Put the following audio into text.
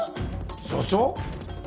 署長？